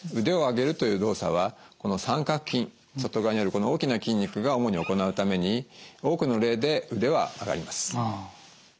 腕を上げるという動作はこの三角筋外側にあるこの大きな筋肉が主に行うために多くの例で腕は上がります。